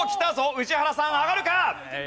宇治原さん上がるか？